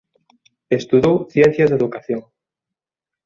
Estudou ciencias da educación.